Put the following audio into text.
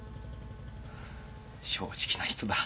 正直な人だ。